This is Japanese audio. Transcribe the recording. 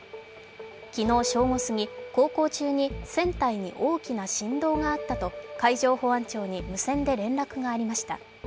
昨日正午過ぎ、航行中に船体に大きな振動があったと海上保安庁に無線で連絡がありました。